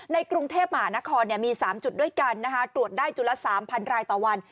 ในกรุงเทพมหานครมี๓จุดด้วยกันนะคะตรวจได้จุดละ๓๐๐รายต่อวัน